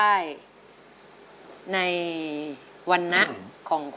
มาพบกับแก้วตานะครับนักสู้ชีวิตสู้งาน